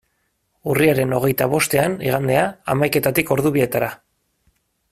Urriaren hogeita bostean, igandea, hamaiketatik ordu bietara.